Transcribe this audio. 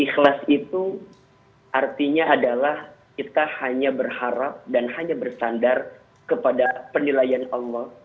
ikhlas itu artinya adalah kita hanya berharap dan hanya bersandar kepada penilaian allah